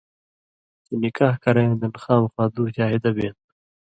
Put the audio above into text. چے نِکاح کرَیں یاں دَن خامخا دُو شاہِدہ بیں تھو۔